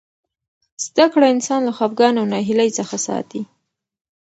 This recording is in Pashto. زده کړه انسان له خفګان او ناهیلۍ څخه ساتي.